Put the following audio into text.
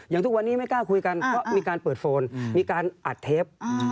ทุกวันนี้ไม่กล้าคุยกันเพราะมีการเปิดโฟนมีการอัดเทป